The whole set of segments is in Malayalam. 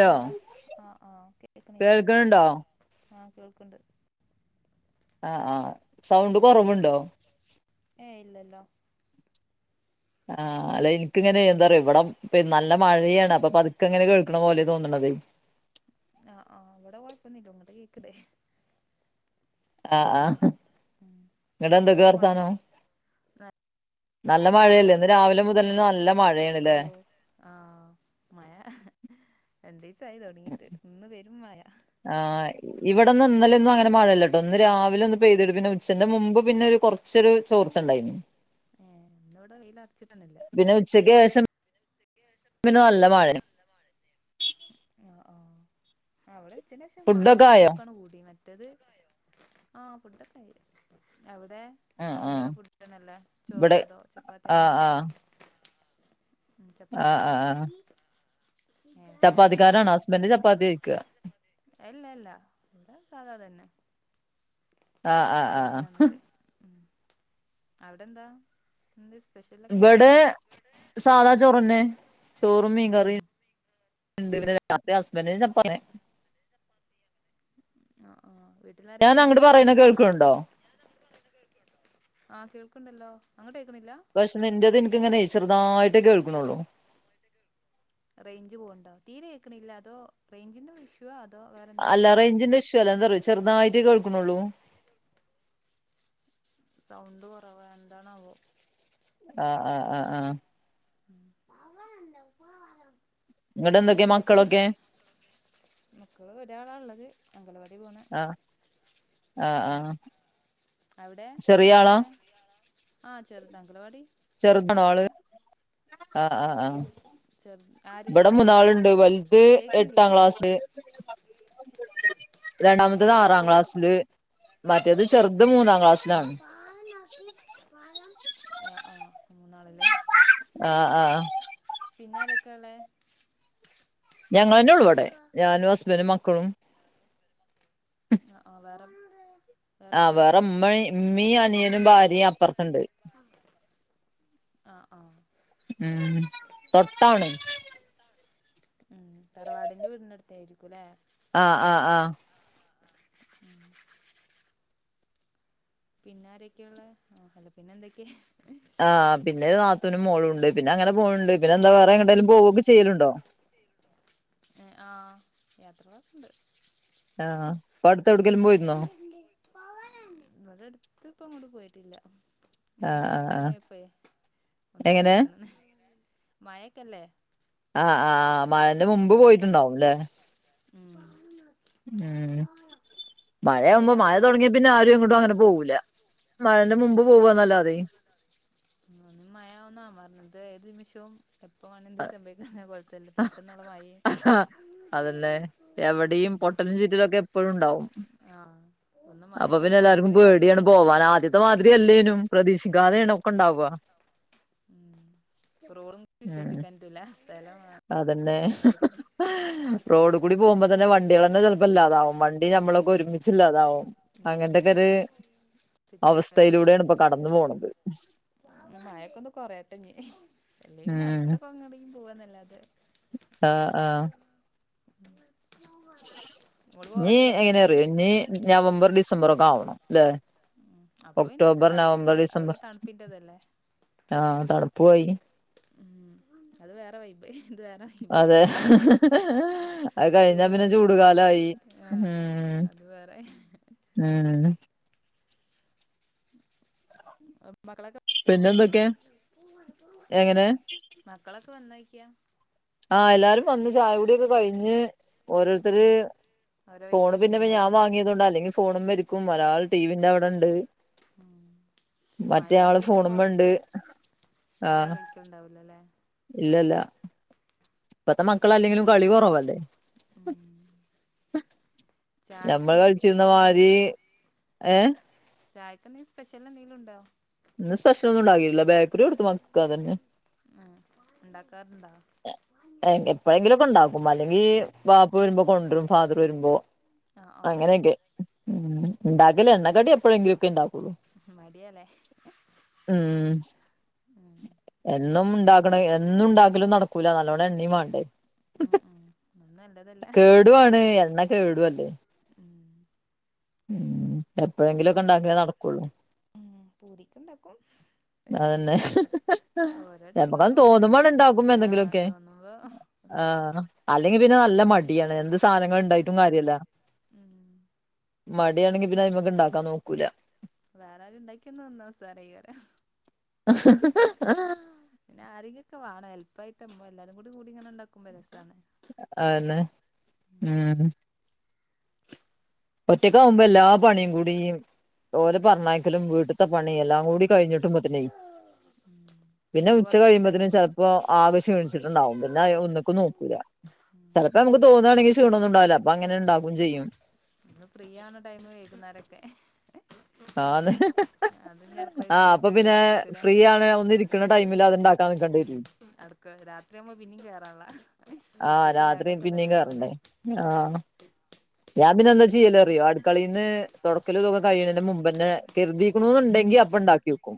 ഹലോ ആ ആഹ കേൾക്കണില്ലേ കേൾക്കണുണ്ടോ ആ കേൾക്കണ്ട് ആഹ ആഹ സൗണ്ട് കുറവുണ്ടോ ഏ ഇല്ലല്ലോ ആഹ അല്ല എനിക്കിങ്ങനെ ന്താ ഇവിട നല്ല മഴയാണ് അപ്പൊ അതുക്കെങ്ങനെ കേൾക്കണ പോലെ തോന്നണത് ആഹ് ആഹ് വിടെ കുഴപ്പംന്നില്ല ഇങ്ങട് കേൾക്കണ്ട് ആഹ് ആഹ ഉം ന്നട്ട് എന്തൊക്കെ എന്താ മഴ വർത്താനം ന- നല്ല മഴയല്ലേ ഇന്ന് രാവിലെ മുതൽന്ന് നല്ല മഴയാണ്ല്ലേ ആഹ മഴ രണ്ട് ദിസായി തുടങ്ങിട്ട് ഇന്ന് പെരും മഴ ആഹ ഇവിടെന്ന് ഇന്നലെ ഒന്നും അങ്ങന മഴയല്ലോട്ടോ ഇന്ന് രാവിലെ ഒന്ന് പെയ്തിട്ട പിന്നെ ഉച്ചന്റെ മുമ്പ് പിന്നെ ഒരു കുറച്ചൊരു ചോർച്ച ഉണ്ടായിന് [inaudible] ഏ ഇന്ന് ഇവിടെ വെയിലൽ അറച്ചിട്ടന്നില്ല പിന്നെ ഉച്ചക്ക് ശേഷം പിന്നെ നല്ല മഴ ആഹ ആഹ ഇവിടെ ഉച്ചന്റെ ശേഷം മഴ ഫുഡൊക്കെ ആയോ ഉക്ക് അങ്ങട്ട് കൂടിക്കന് [unintelligible] ഫുഡ് ഒക്കെ ആയോ ആ് ഫുഡൊക്കെയി ആവിടെ ആഹ് ആഹ് എന്താ ഫുഡന്നല്ലേ ചോറോ ഇവിടെ അതോ ചപ്പാത്തി അങ്ങനെ ആഹ് എന്ത് ആഹ് ഉ ചപ്പാത്തി ആഹ് കാരാ ആഹ് ഏ ഇണ്ടാക്കിയോ ചപ്പാത്തിക്കാരാണോ ഹസ്ബൻഡ് ചപ്പാത്തി കഴിക്കാ അല്ല ഇല്ല ഇ സാധാ തന്നെ ആഹ് ആഹ് ആഹ് ചോറന്നെ ന്നല് ഉ അവിടെ എന്താ എന്തെ സ്പെഷൽ ഇവിടെ സാധാ ചോറന്നെ ചോറും ഉം മീൻകറിയും [unintelligible] ഹസ്ബൻഡ്നു ചപ്പാത്തി ആ ആഹ ഞാൻ വീട്ടിൽാരൊക്കെ ഉണ്ട് അങ്ങട്ട് പറയണ കേൾക്കണുണ്ടോ ആഹ കേൾക്കുണ്ടല്ലോ അങ്ങോട്ട് കേക്കുന്നില്ലെ പക്ഷെ നിന്റെറത് ഇനിക്കിങ്ങനെ ചെറുതായിട്ടേ കേൾക്കുന്നുള്ളൂ റേഞ്ച് പോണ്ടോ തീരെ കേൾക്കണില്ല അതോ റെയ്ഞ്ച്ന്റെ ഇഷ്യു അതോ വ അല്ലാ റേഞ്ന്റെ ഇഷ്യ അല്ല എന്ത പറയ ചെറുതായിട്ടേ കേൾക്കണള്ളൂ സൗണ്ട് കുറവാ എന്താണാവോ ആഹ ആഹ ആഹ് ആഹ ഇങ്ങട്ട് എന്തൊക്കെ എന്നിട്ട് മക്കളൊക്കെ മക്കള് ഒരാളാ ഉള്ളത് അംഗൻവാടി പോണ ആഹ് ആഹ് ആഹ് അവിടെ ചെറിയ ആളാ ആരെക്കുള്ളത് ആഹ ചെറുതാ അംഗലവാടി ചെറുതണോള് ആഹ് ആഹ ആഹ് ചെറു ആര് ഇവിടെ മൂന്നാളുണ്ട് വലുത് എട്ടാം ക്ലാസ് എട്ടാങ്ങ [inaudible] രണ്ടാമത്തേത് ആറാം ക്ലാസ്സില് മറ്റേത് ചെറുത് മൂന്നാം ക്ലാസ്സിലാണ് ആഹ് ആഹ് മൂന്നാളല്ലേ ആഹ് ആഹ് പിന്നെ അരൊക്കെയള്ളെ ഞങ്ങൾ തന്നെയ ഉള്ള അവിടെ ഞാനും ഹസ്ബൻഡും മക്കളും ആഹ് ആഹ് വേറെ വേറെ ആഹ് പോയതാ വേറെമ്മ ഉമ്മീ അനിയനും ഭാര്യയും അപ്പുറക്കുണ്ട് ആഹ് ആഹ് ഉം തൊട്ടാണ് ഉം തറവാടിന്റെ വീടിന്റെടുത്ത ആയിരിക്കുംല്ലേ ആഹ് ആഹ് ആഹ് ഉം പിന്നെ ആരൊക്കെയ ഉള്ള ആഹ് അല്ല പിന്നെ എന്തൊക്കെയ ആഹ് പിന്നെ നാത്തനും മോളുണ്ട് പിന്നെ അങ്ങനെ പോയിന്നുണ്ട് പിന്നെന്താ പററെ എന്തായാലും വ്‌ളോഗ്കൊക്കെ ചെയ്യലുണ്ടോ ഏഹ് ആഹ് യാത്രകളൊക്കുണ്ട് ആഹ് അടു ത്ത് എടുങ്കി ഇങ്ങളടെ അടുത്ത് ഇപ്പ അങ്ങോട്ട് പോയിട്ടില്ല ആഹ് ആഹ് ആഹ് മഴന്തൊക്കണപ്പ ഒന്നാ എങ്ങനെ അമർന്ന് മയക്കല്ലേ ആഹ് ആഹ് മഴന്റെ മുമ്പ് പോയിട്ടുണ്ടാവും അല്ലേ പറ പറ ഉം [unintelligible] മഴയാവുമ്പോ മഴ തുടങ്ങിയ പിന്നെ ആരും ഇങ്ങോട്ടും അങ്ങനെ പോകൂല്ല മഴന്റെ മുമ്പ് പോവന്നല്ലാതെ ഒന്ന് മഴന്നാ പറഞ്ഞത് ഏത് നിമിഷവും എപ്പ വണങ്കിലും സംഭവിക്കാ അതന്നെ എവിടെയും പൊട്ടലും ചീറ്റലൊക്കെ എപ്പോഴും ഉണ്ടാവും ആഹ് ഒന്ന് അപ്പൊ മഴയൊക്കെ പിന്നെ എല്ലർക്കും കൊറഞ്ഞണേ പേടിയാണ് കൊഴപ്പല്ല പോവാന ആദ്യത്ത അത്മാതിരി അല്ലേനും ഉം പ്രതീക്ഷിക്കാതെെയണ ഒക്കെ ഉണ്ടാവാ ഉം റോൾ വിശ്വസിക്കാ പറ്റൂല സ്ഥലം അതന്നെ മാതിരി റോഡ് കൂടി പോക്പോ തന്നെ വണ്ടികളന്നെ ചിലപ്പ ഇല്ലാതാവും വണ്ടി നമ്മളൊക്കെ ഒരുമിച്ചില്ലാതാവും ഉം അങ്ങനത്തക്കെര് സിറ്റുവേഷനായോണ്ട് അവസ്ഥയിലൂടെയാണ് ഇപ്പോ കടന്നു പോണത് മ് മഴഒക്കെ ഒന്ന് കൊറയട്ടെ ഇനി എല്ലേ ഇന ഉം അടുത്തക്കൊകറങ്ങി പോവന്നല്ലാതെ ആഹ് [unintelligible] ആഹ് ഇങ്ങോട് ഇനി പോവല്ലേ എങ്ങനെ ഫാമിലി അറിയോ ഇനി നവംബർ ഡിസംബർ ഒക്കെ ആവണം ല്ലേ ഉം അപ്പൊ പിന്നെ തൺ അഇ ഡിസംബർ തണുപ്പിന്റതല്ലേ ആഹ് തണുപ്പ്‌ കഴിഞ്ഞ് ഉം അത് വേറെ വൈബ് ഇത് വേറെ വൈബ് അതെ അത് കഴിഞ്ഞാ പിന്നെ ചൂടുകൾ ചൂടുകാലായി ഉം ആഹ് അതുവേറെ ഉം മക്കളക്കെ പിന്നെന്തൊക്കെ എങ്ങനെ [unintelligible] മക്കളൊക്ക വന്നോക്കിയാ ആഹ് എല്ലാരും വന്ന് ചായ കുടിയൊക്കെ കഴിഞ്ഞ് ഓരോരുത്തര് ഉം ഓരോ വഴിക്ക് ഫോണ് പിന്നെ ഇപ്പം ഞാൻ നീങ്ങിണ്ടാവും വാങ്ങിയത് കൊണ്ടാ അല്ലെങ്കിൽ ഫോണുമേരിക്കും ഒരാൾ ടിവിന്റെ അവിടെണ്ട് ഉം മഴയാഒണ്ട് പിന്നെ ഫോണുമ്മേ ഉണ്ട് പുറത്ത് വല്ലാ ആഹ് കളിക്കലുണ്ടാവൂലല്ലേ ഇല്ലല്ല ഇപ്പത്തെ മക്കളല്ലെങ്കിലും കളി കുറവല്ലേ ഉം ഞമ്മള് ചായ്ക്കെന്താ കളിച്ചിരുന്ന സ്പെഷ്യൽ എന്താ മാതിരി ഇണ്ടാ ഏഹ് ചായക്ക്‌ എന്തേലും സ്പെഷ്യൽ എന്തെങ്കിലും ഉണ്ടോ? ഇന്ന് സ്പെഷ്യൽ ഒന്നും ഉണ്ടാക്കില്ല ബേ മ് ഉണ്ടാക്കാറുണ്ടാ? എ എങ്കെ എപ്പോഴെങ്കിലൊക്കെ ഒണ്ടാക്കും അല്ലെങ്കി വാപ്പ വരുമ്പോ കൊണ്ടരും ഫാദർ വരുമ്പോ. ആഹ് ആഹ് അങ്ങനെയൊക്കെ മ് ഇണ്ടക്കല് എണ്ണ കടി എപ്പോഴെങ്കിലും ഒക്കെ ഇണ്ടാവും. മടിയാല്ലേ. മ് ഉം എന്നും ഇണ്ടാക്കണ എന്നും ഇണ്ടാക്കല് നട ക്കൂല്ല നല്ലോണം എണ്ണേം മാണ്ടേ. മ് മ് [unintelligible] കേടുവാണ് എണ്ണ കേടുവല്ലേ. മ് മ് എപ്പോഴെങ്കിലൊക്കെ ഇണ്ടാക്കല് നടക്കുള്ളൂ. മ് പൂതിക്ക് ഇണ്ടാക്കും. അതന്നെ ടൈം ചെലപ്പൊക്കെ ഓരോ മൂടല്ലേ തോന്നുമ്പാണ് ഇണ്ടാക്കും ആഹ് എന്തെങ്കിലൊക്കെ. തോന്നുമ്പോ ആ അല്ലെങ്കി പിന്നെ നല്ല മടിയാണ്, എന്ത് സാധനങ്ങൾ ഇണ്ടായിട്ടും കാര്യല്ല. മ് മടിയാണെങ്കി പിന്നെ അതിമ്മേക്ക് ഇണ്ടാക്കാൻ നോക്കൂല. വേറാരും ഇണ്ടാക്കി തന്ന് തന്ന [unintelligible] ആ പിന്നെ ആരെങ്കിലൊക്കെ വാണം ഹെൽപ്പായിട്ടമ്പോ എല്ലാരും കൂടി കൂടി ഇങ്ങനെ ഇണ്ടാക്കുമ്പോ രസാണ്. ആന്നെ മ് ഒറ്റക്കാവുമ്പോ എല്ലാ പണിയും കൂടീം ഓലെ പറഞ്ഞയക്കലും വീട്ട്ത്തെ പണി എല്ലാം കൂടി കഴിഞ്ഞിട്ടും പത്തിനേ മ് പിന്നെ ഉച്ച കഴിയുമ്പോത്തന് ചെലപ്പോ [unintelligible] എണിച്ചിട്ടുണ്ടാവും, പിന്നെയാ ഒന്നക്കും നോക്കൂല. ഉം ചെലപ്പോ നമുക്ക്‌ ഒന്ന് തോന്നുവാണെങ്കിൽ ക്ഷീണൊന്നും ഉണ്ടാവില്ല, അപ്പ അങ്ങനെ ഇണ്ടാക്കും ചെയ്യും. ഇന്ന് ഫ്രീ ആണ് ടൈം വൈകുന്നേരൊക്കെ. ആന്ന് അതും കെടക്കോയി കൊണ്ട് ഇട്ടാല് നട്ക്ക്ലെ. [unintelligible] ഒന്ന് ഇരിക്കണ മ് അടുക്കള രാത്രിയാവുമ്പോ പിന്നേം കേറാനുള്ള ആഹ് ഉച്ചക്കും രാത്രി രാവിലേം പിന്നേം കേറണ്ടേ. ആഹ് ഞാൻ പിന്നെന്താ ചെയ്യല് അറിയോ അടുക്കളേന്ന് തൊടക്കലും ഇതൊക്കെ കഴിയണന്റെ മുമ് മ്പന്നെ കെരുതിക്കണു എന്നുണ്ടെങ്കിൽ അപ്പം ഇണ്ടാക്കി വെക്കും.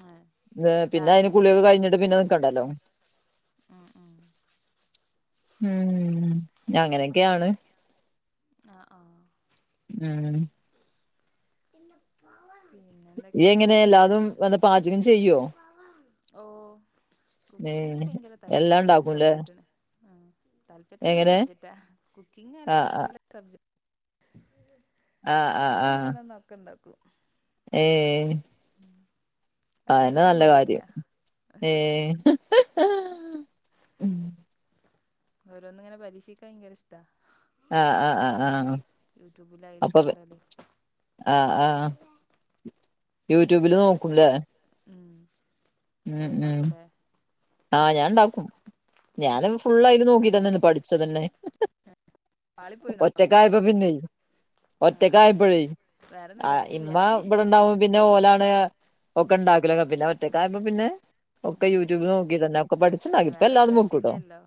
മ് [unintelligible] പിന്നെ അയിന് കുളിയൊക്കെ കയിഞ്ഞിട്ട് പിന്നെ നിക്കണ്ടല്ലോ. മ് മ് മ് അങ്ങനെയൊക്കെയാണ്. ആ ആഹ് മ് [unintelligible] ഇയ്യ് പിന്നെന്തൊക്കെയാ എങ്ങനെ എല്ലാതും വന്ന് പാചകം ചെയ്യോ ഓഹ് കുക്കിംങ് ഒക്കെ ഏഹ് ഭയങ്കര എല്ലാം താല്പര്യള്ള ഒരു ഇണ്ടാക്കുംല്ലേ സബ്ജക്ട് ആണ്, ആഹ് താല്പര്യള്ള ഒരു എങ്ങനെ സബ്ജക്റ്റാ. കുക്കിംങ് ആഹ് ആഹ് [inaudible] [unintelligible] ആഹ് ആഹ് സാനം കൊണ്ടു ആഹ് വന്നു തന്ന ഒക്കെ ഇണ്ടാകും. ഏഹ് ആ അതന്നെ കാര്യത്തില് നല്ല മടിയില്ല കാര്യം ഏഹ് ഓരോന്ന് ഇങ്ങനെ പരീക്ഷിക്കാൻ ഭയങ്കര ഇഷ് ടാ, ആഹ് ആഹ് മ് ആഹ് ആഹ് അപ്പൊ യൂട്യൂബിലായ്ലൊക്കെ ഇണ്ടാവുലേ. ആഹ് ആഹ് യൂട്യൂബില് ഇങ്ങൾ നോക്കുംല്ലേ ഉം ഉം നിങ്ങൾ ഉം ഉണ്ടാക്കുംയില്ലേ ആഹ് ഞാൻ ഇണ്ടാക്കും ഞാന് ഫുള്ളായിട്ട് നോക്കി തന്നെ പഠിച്ച തന്നെ പാളിപ്പോയിനോ ഒറ്റക്കായപ്പോ പിന്നെയ് ആ ആ ഒറ്റക്കായപ്പോഴേ വേറെ ആ നിവർത്തിയില്ല ഉമ്മ അല്ലേ ഇവിടെണ്ടാവും പിന്നെ ഓലാണ് ഒക്കെ ഇണ്ടാക്കലൊക്കെ പിന്നെ ഉം, ഒറ്റക്കായപ്പൊ പിന്നെ ഒക്കെ ഉം. യൂട്യൂബ് നോക്കി തന്നെ പിന്നെ വേറെ നിവർത്തില്ലല്ലോ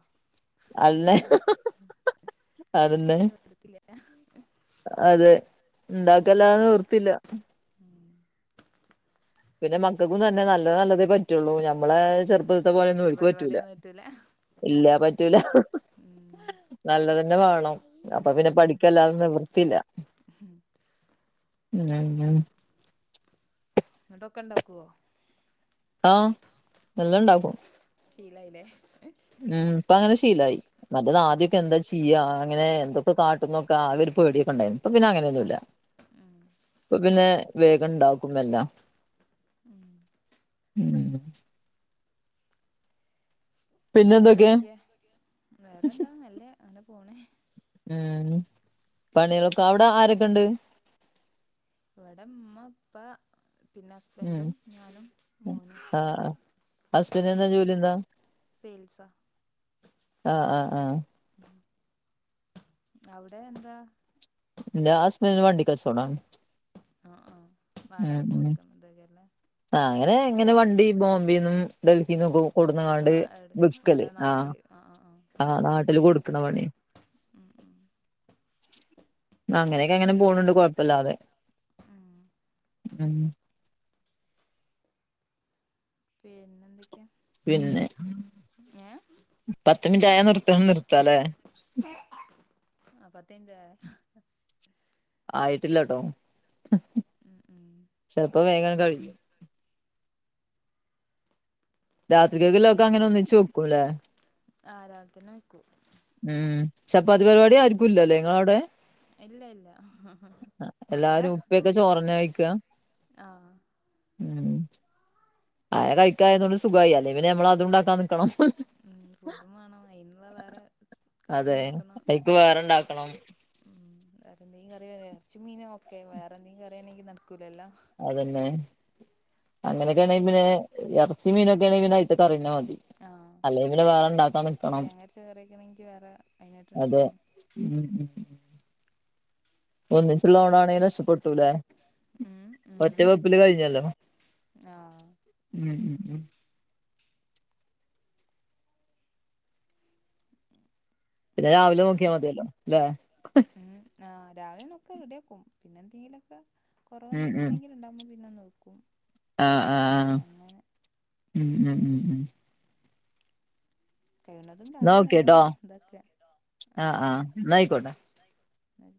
അന്നെ വേറെണ്ടാക്കി അതന്നെ പഠിക്കല് നിർത്തത്തില്ലല്ലോ അതെ ഇണ്ടാക്കലല്ലാതെ നിവർത്തില്ല ഉം പിന്നെ മക്കൾക്കും തന്നെ നല്ല നല്ലതേ പറ്റുള്ളൂ ഞമ്മളെ ചെറുപ്പത്തെ പോലെയൊന്നും ഒപ്പിച്ചൽ ഒൽക്ക് പറ്റൂല പരിപാടിയൊന്നും ഇല്ലാ പറ്റൂല ഉം. നല്ലതന്നെ വേണം അപ്പൊ പിന്നെ പഠിക്കല്ലാതെ നിവൃത്തിയില്ല. [inaudible] [unintelligible] എന്നിട്ടൊക്കെ ഉണ്ടാക്കുവോ ആഹാ ശീലവായില്ലേ ഉം ഇപ്പൊ അങ്ങനെ ശീലായി, മറ്റേത് ഉം, ആദ്യമൊക്കെ എന്താ ചെയ്യാ അങ്ങനെ എന്ത- കാട്ടുംന്നൊക്കെ ആകെയൊരു പേടിയൊക്കെയൊണ്ടായിരുന്നു ഇപ്പ പിന്നെ അങ്ങനെയൊന്നുമില്ല ഉം ഇപ്പൊ പിന്നെ വേഗം ഇണ്ടാക്കും എല്ലാം ഉം ഉം പിന്നെ വേറെ എന്തൊക്കെ എന്തൊക്കെയാ വേറെന്താ നല്ലയാ അങ്ങനെ പോണേ ഉം പണികളൊക്കെ അവിടെ ആരൊക്കെ ഉണ്ട് ഇവിടെ ഉമ്മ ഉപ്പ പിന്നെ ഉം ഹസ്ബൻഡും ഞാനും മോനും ഹസ്ബൻഡന് എന്താ ജോലി എന്താ സെയിൽസാ ആഹ് ആഹ് ആഹ് [inaudible] അവിടെ എന്താ എന്റെ ഹസ്‌ബെൻഡിന് വണ്ടി കച്ചോടം ആഹ് ആഹ് വാടയ്ക്ക് കൊടുക്കുന്നത് ഇതൊക്കെല്ലേ ആ അങ്ങനെ എങ്ങനെ വണ്ടി ബോംബെ നിന്നും ഡൽഹിനും ഒക്കെ കൊ - കൊണ്ടുവന്ന് ആയാണ്ട് ആഹ് എവിടെ വിക്കല് ഇവിടെ ആഹ് നാട്ടില് ആഹ് ആഹ് നാട്ടില് കൊടുക്കണ പണി ഉം ഉം അങ്ങനെയൊക്കെ അങ്ങനെ പോണുണ്ട് കൊഴപ്പല്ലാതെ ഉം ഉം പിന്നെന്തൊക്ക- പിന്നെ ഏഹ് പത്ത് മിനിറ്റ് ആയ നിർത്ത നിർത്താലേ ആപത്ത് മിനിറ്റ് ആയാൽ ആയിട്ടില്ല കേട്ടോ ഉം ഉം ചെലപ്പോൾ വേഗംയങ്ങ് കഴിയും രാത്രിക്ക് ഒക്കെയുള്ളത് അങ്ങനെ ഒന്നിച്ച് വെക്കുംയല്ലേ ആ രാത്രിനെ വയ്ക്കും ഉം ചപ്പാത്തി പരിപാടി ആർക്കുംയില്ലയല്ലേ നിങ്ങടെ അവിടെ ഇല്ല ഇല്ല വേണ്ട എല്ലാരും ഉപ്പിയൊക്കെ ചോറ് തന്നെ കഴിക്കുക ആഹ് ഉം ആയ കൈക്കായതുകൊണ്ട് സുഖമായി അല്ലേ പിന്നെ നമ്മള് അതുണ്ടാക്കാൻ നിക്കണം ഉം ഫുഡും വേണം അതിനുള്ള വേറെ കറി ഉണ്ടാക്കണം വേറെ ഉണ്ടാക്കണം ഉം വേറെ എന്തെങ്കും കറിയ ഇറച്ചി മീന ഓക്കെ വേറെ എന്തെങ്കും കറിയാണെങ്കിൽ നടക്കൂലല്ലോ അതന്നെ അങ്ങനെയൊക്കെ ആണെങ്കിൽ വേറെ പിന്നെ ഇറച്ചി മീനൊക്കെയ ആണെങ്കിൽ അയ്തേ കറി മതി അല്ലേ പിന്നെ വേറെണ്ടാക്ക അതെ ഹാരിസ് കേറിണെങ്കിൽ വേറെ അതിനായിട്ട് അതെ ഉണ്ടാക്കണം ഉം ഉം ഉം ഒന്നിചുള്ള ഓണം ആണെങ്കിൽ രക്ഷപ്പെട്ടു ഉം ഒറ്റേ വെപ്പില് കഴിഞ്ഞല്ലോ ആഹാ ഉം ഉം ഉം പിന്നെ രാവിലെ നോക്കിയ മതിയല്ലോ അല്ലെ ആ രാവിലെനൊക്കെ റെഡിയ ആക്കും പിന്നെ എന്തെങ്കിലുംക്കെ കുറവ് ഉം എന്തെങ്കിലുണ്ടെങ്കിൽ ഉണ്ടാവുമ്പ നോക്കും ആഹാ ആഹാ ആഹാ അങ്ങനെ ഉം ഉം ഉം ഉം കയ്യിണതും ന്നാ രാവിലെന്നെ ഓക്കേട്ടോ എല്ലൊം ഇതാക്കാ ആഹ ആഹ് ആഹ് ന്നാ ആയിക്കോട്ടെ ആഹ